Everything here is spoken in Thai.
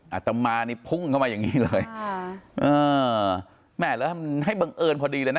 อาจจะมานิดพึงเข้ามาอย่างงี้เลยอ่าแม่แล้วให้เบิ่งเอิญพอดีเลยนะ